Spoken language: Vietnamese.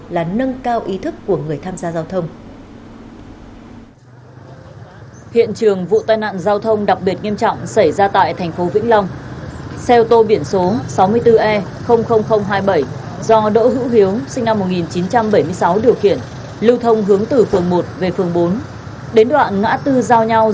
là nâng cao ý thức của người tham gia giao thông